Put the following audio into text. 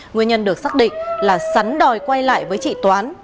nguyên nhân được xác định là sắn đòi quay lại với chị toán